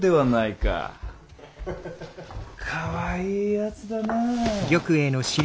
かわいいやつだな。